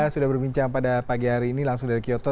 sudah berbincang pada pagi hari ini langsung dari kyoto